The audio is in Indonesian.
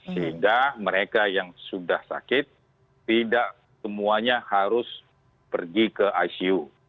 sehingga mereka yang sudah sakit tidak semuanya harus pergi ke icu